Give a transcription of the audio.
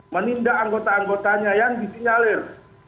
menindak anggota anggotanya yang disinyalir